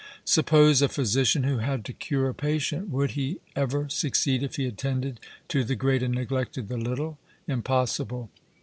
Suppose a physician who had to cure a patient would he ever succeed if he attended to the great and neglected the little? 'Impossible.'